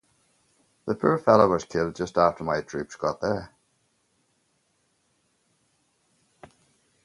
The poor fellow was killed just after my troops got across.